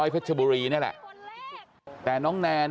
กลับไปลองกลับ